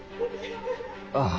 ああ。